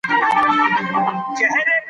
هغه نجلۍ چې پرون دلته وه، بیا راغله.